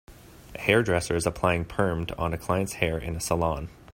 A hair dresser is applying permed on a client 's hair in a salon.